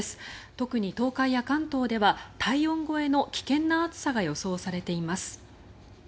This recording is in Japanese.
特に東海や関東では体温超えの危険な暑さが予想されています。